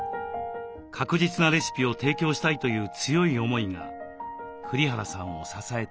確実なレシピを提供したいという強い思いが栗原さんを支えています。